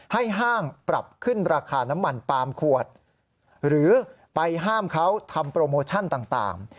ห้างปรับขึ้นราคาน้ำมันปาล์มขวดหรือไปห้ามเขาทำโปรโมชั่นต่าง